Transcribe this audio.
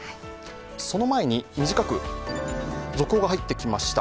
その前に短く、続報が入ってきました。